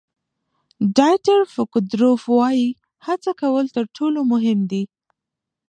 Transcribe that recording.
ډایټر فوکودروف وایي هڅه کول تر ټولو مهم دي.